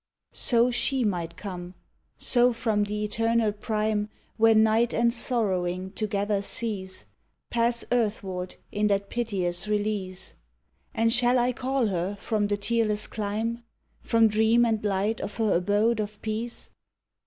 So she might come, so from the eternal prime Where night and sorrowing together cease, Pass earthward in that piteous release. And shall I call her from the tearless clime? From dream and light of her abode of peace?